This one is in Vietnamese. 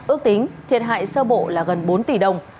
ước tính thiệt hại sơ bộ là gần bốn tỷ đồng